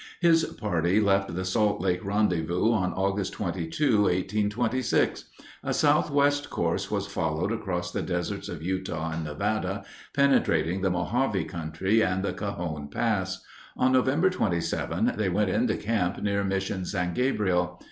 His party left the Salt Lake rendezvous on August 22, 1826. A southwest course was followed across the deserts of Utah and Nevada, penetrating the Mojave country and the Cajon Pass. On November 27 they went into camp near Mission San Gabriel.